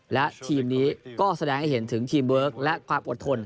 และทีมนี้ก็แสดงให้เห็นถึงทีมเวิร์คและความอดทน